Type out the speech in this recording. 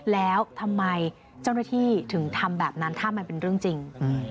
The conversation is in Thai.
แล้วทำไมเจ้าหน้าที่ถึงทำแบบนั้นถ้ามันเป็นเรื่องจริง